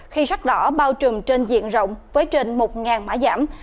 khi sắc đỏ bao trùm trên diện rộng với trên một mã giảm